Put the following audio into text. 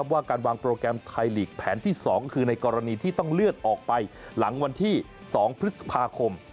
ว่าการวางโปรแกรมไทยลีกแผนที่๒คือในกรณีที่ต้องเลื่อนออกไปหลังวันที่๒พฤษภาคม